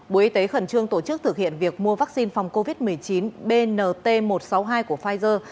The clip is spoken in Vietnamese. bộ y tế khẩn trương tổ chức thực hiện việc mua vaccine phòng covid một mươi chín bnt một trăm sáu mươi hai của pfizer